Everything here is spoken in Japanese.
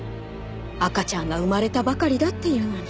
赤ちゃんが生まれたばかりだっていうのに。